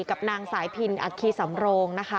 กับนางสายพินอาคีสำรงค์